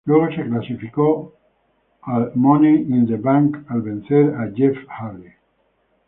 Luego se clasifico al Money in the Bank al vencer a Jeff Hardy.